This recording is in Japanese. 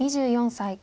２４歳。